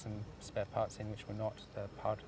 bagian dari portfolio udara yang pertama